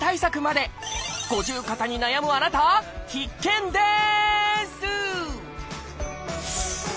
五十肩に悩むあなた必見です！